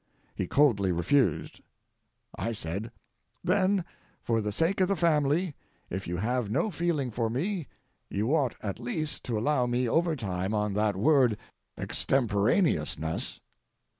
He coldly refused. I said: "Then for the sake of the family, if you have no feeling for me, you ought at least to allow me overtime on that word extemporaneousness."